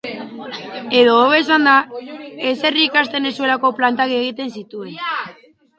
Edo, hobe esan, ezer ikasten ez zuelako plantak egiten zituen.